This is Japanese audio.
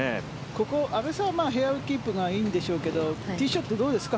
ここは阿部さんはフェアウェーキープがいいんでしょうけどティーショット、どうですか？